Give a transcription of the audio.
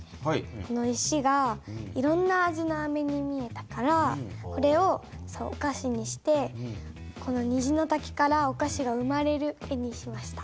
この石がいろんな味のアメに見えたからこれをお菓子にしてこの虹の滝からお菓子が生まれる絵にしました。